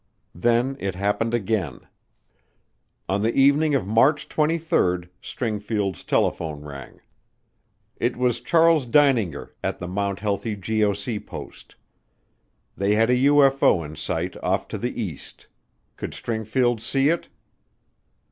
Then it happened again. On the evening of March 23rd Stringfield's telephone rang. It was Charles Deininger at the Mt. Healthy GOC post. They had a UFO in sight off to the east. Could Stringfield see it?